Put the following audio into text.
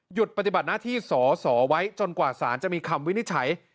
ปฏิบัติหน้าที่สอสอไว้จนกว่าสารจะมีคำวินิจฉัย